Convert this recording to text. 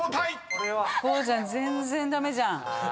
こうちゃん全然駄目じゃん。